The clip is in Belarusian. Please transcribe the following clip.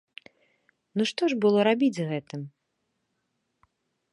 Ну што ж было рабіць з гэтым?